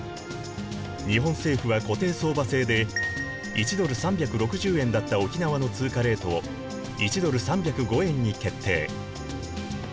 日本政府は固定相場制で１ドル３６０円だった沖縄の通貨レートを１ドル３０５円に決定。